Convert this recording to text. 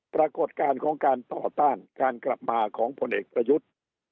ปรากฏการณ์ของการต่อต้านการกลับมาของผลเอกประยุทธ์